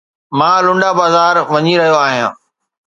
مان لنڊا بازار وڃي رهيو آهيان.